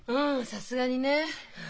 さすがにね。